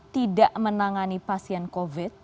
tidak menangani pasien covid